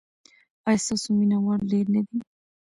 ایا ستاسو مینه وال ډیر نه دي؟